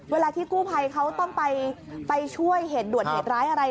เวลาที่กู้ภัยเขาต้องไปช่วยเหตุด่วนเหตุร้ายอะไร